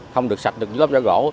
không được sạch được lớp vỏ gỗ